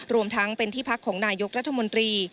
รวมทั้งเป็นที่พักของนายกรัฐมนตรี